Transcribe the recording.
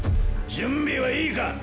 準備はいいかッ！